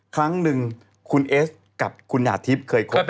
ครั้งหนึ่งคุณเอสกับคุณหยาทิพย์เคยคบ